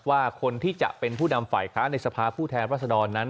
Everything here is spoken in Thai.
ว่าคนที่จะเป็นผู้นำฝ่ายค้านในสภาพผู้แทนรัศดรนั้น